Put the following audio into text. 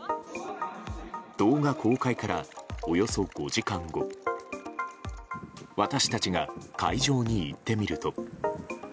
動画公開から、およそ５時間後私たちが会場に行ってみると。